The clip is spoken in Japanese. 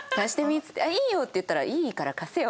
っつって「いいよ」って言ったら「いいから貸せよ」。